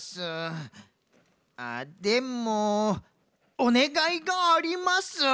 あでもおねがいがあります。